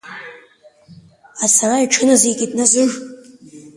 Ацара иҽыназикит Назыр.